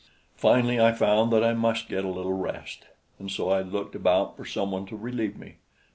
Finally I found that I must get a little rest, and so I looked about for some one to relieve me.